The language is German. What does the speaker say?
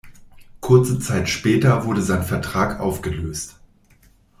Kurze Zeit später wurde sein Vertrag aufgelöst.